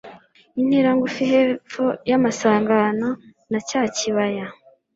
intera ngufi hepfo y'amasangano na cyakibaya